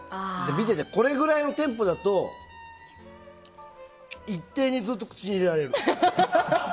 これぐらいのテンポだと一定にずっと口に入れられえる。